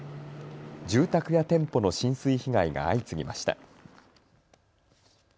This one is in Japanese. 住宅や店舗の浸水被害が相次ぎました。